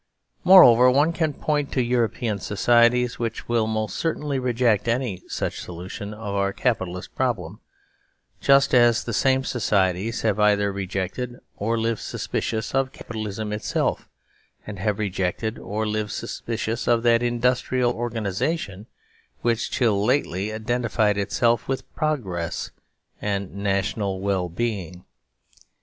Moreover, one can point to European societies which will most certainly reject any such solution' of our Capitalist problem, just as the same societies have either rejected, or lived suspicious of, Capitalism itself, and have rejected or lived suspicious of that industrial organisation which till lately identified itself with " progress " and national well being.